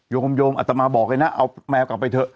โง่มโยมอาจมาบอกไงเอาแมวกลับไป